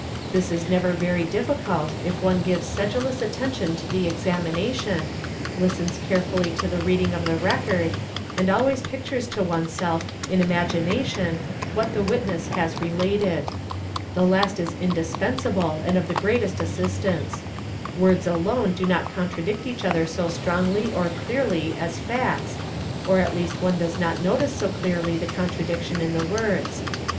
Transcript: This is never very difficult if one gives sedulous attention to the examination, listens carefully to the reading of the record, and always pictures to oneself in imagination what the vitness has related. The last is indispensible and of the greatest assistance. Words alone do not contradict each other so strongly or clearly as facts, or at least one does not notice so clearly the contradiction in the words.